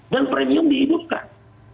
dan premium dihidupkan